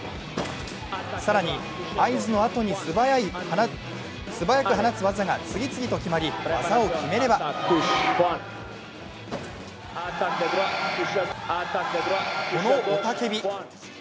更に合図のあとに素早く放つ技が次々と決まり、技を決めれば、この雄たけび。